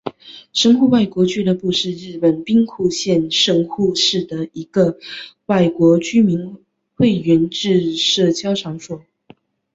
神户外国俱乐部是日本兵库县神户市的一个外国居民会员制社交场所。